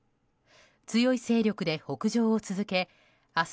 強い勢力で北上を続け明日